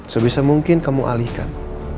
sebisa mungkin kamu alihkan